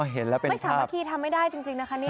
เห็นแล้วเป็นไม่สามารถที่ทำไม่ได้จริงนะคะ